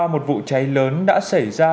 một vụ cháy lớn đã xảy ra